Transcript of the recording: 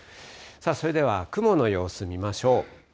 それでは、雲の様子見ましょう。